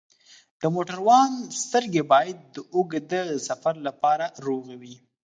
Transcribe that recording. د موټروان سترګې باید د اوږده سفر لپاره روغې وي.